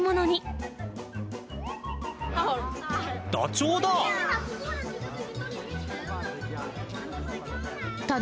ダチョウだ。